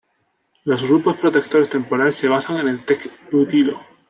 Los grupos protectores temporales se basan en el terc-butilo.